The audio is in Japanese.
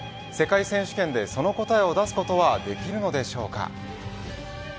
世界選手権でその答えを出すことはできるのでしょうか。